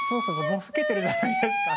もう吹けてるじゃないですか。